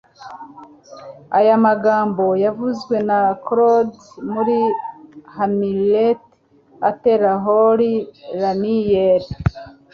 aya magambo yavuzwe na claudius muri hamlet atera holly lanier